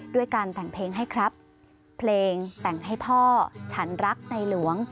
ด้วยการแต่งเพลงให้ครับเพลงแต่งให้พ่อฉันรักในหลวง